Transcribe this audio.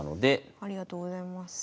ありがとうございます。